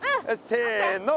せの。